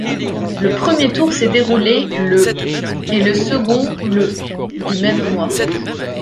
Le premier tour s'est déroulé le et le second le du même mois.